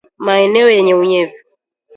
Maeneo yenye unyevu